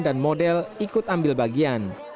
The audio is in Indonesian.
dan model ikut ambil bagian